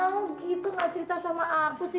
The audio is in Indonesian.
ayah kamu gitu nggak cerita sama aku sih